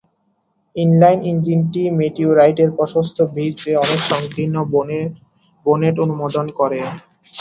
Inline ইঞ্জিনটি মেটিওরাইটের প্রশস্ত ভি'র চেয়ে অনেক সংকীর্ণ বোনেট অনুমোদন করে।